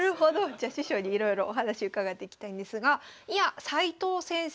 じゃあ師匠にいろいろお話伺っていきたいんですが斎藤先生